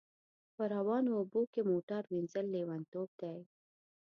په روانو اوبو کښی موټر وینځل لیونتوب دی